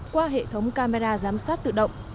qua hệ thống camera giám sát tự động